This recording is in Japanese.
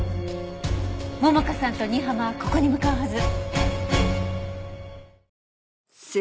桃香さんと新浜はここに向かうはず！